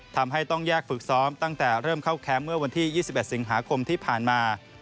ทำให้ต้องแยกฝึกซ้อมตั้งแต่เริ่มเข้าแคมป์เมื่อวันที่๒๑สิงหาคมที่ผ่านมา